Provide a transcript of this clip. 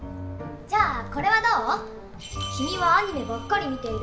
じゃあこれはどう？